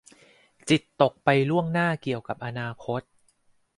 จิตตกไปล่วงหน้าเกี่ยวกับอนาคต